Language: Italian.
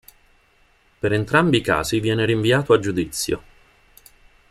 Per entrambi i casi viene rinviato a giudizio.